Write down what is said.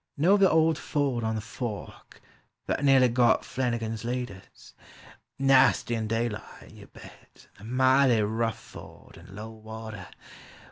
Know the old ford on the Fork, that nearly got Flanigan's leaders? Nasty in daylight, you bet, and a mighty rough ford in low water!